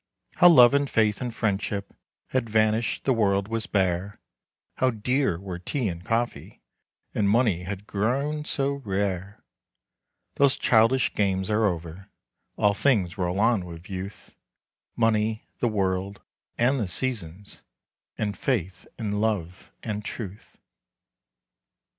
How love and faith and friendship Had vanished, the world was bare; How dear were tea and coffee, And money had grown so rare! Those childish games are over, All things roll on with youth, Money, the world, and the seasons, And faith and love and truth.